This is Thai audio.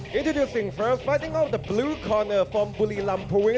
ก่อนข้อมูลส่วนที่สองมาจากจังหวัดปุรีรัมอำเภอบ้าน